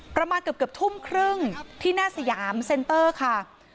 ประมาณเกือบทุ่มครึ่งที่หน้าสยามเซ็นเตอร์ค่ะ